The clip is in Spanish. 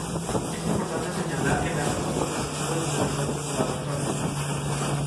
Es importante señalar que de acuerdo con los estudios realizados por la Dra.